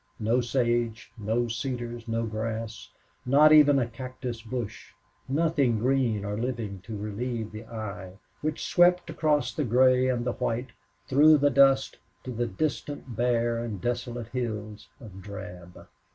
No sage, no cedars, no grass, not even a cactus bush, nothing green or living to relieve the eye, which swept across the gray and the white, through the dust, to the distant bare and desolate hills of drab.